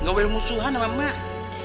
ngewe musuhan sama mak